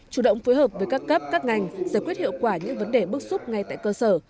chủ động phối hợp với các cấp các ngành giải quyết hiệu quả những vấn đề bước xúc ngay tại cơ sở